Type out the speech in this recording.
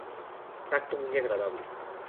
Tacto muy agradable.